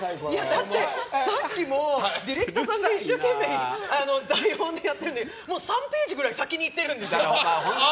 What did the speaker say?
だって、さっきもディレクターさんが一生懸命台本でやってるのにもう３ページくらい先にいってるんですよ。